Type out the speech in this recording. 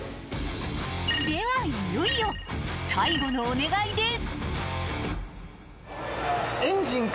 ではいよいよ最後のお願いです